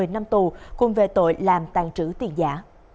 một mươi năm tù cùng về tội làm tàn trữ tiền giả